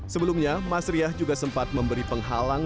sebelumnya mas riah juga sempat memberi penghalang